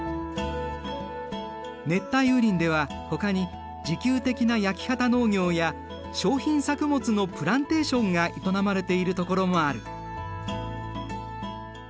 熱帯雨林ではほかに自給的な焼き畑農業や商品作物のプランテーションが営まれているところもある。